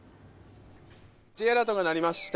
Ｊアラートが鳴りました。